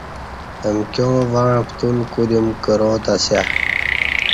امکیاں وݩع پتول کُودیوم کرا تہ اسیہ۔